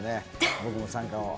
僕も参加を。